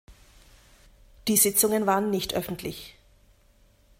Die Sitzungen waren nichtöffentlich.